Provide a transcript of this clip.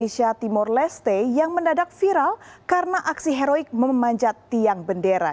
indonesia timur leste yang mendadak viral karena aksi heroik memanjat tiang bendera